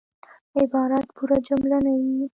عبارت پوره جمله نه يي.